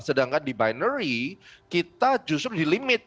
sedangkan di binary kita justru di limit